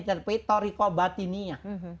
tapi tarikat batinnya